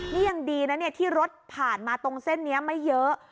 นี่ยังดีนะเนี่ยที่รถผ่านมาตรงเส้นนี้ไม่เยอะ